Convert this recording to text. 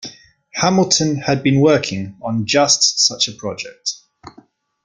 Hamilton had been working on just such a project.